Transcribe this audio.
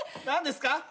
何ですか？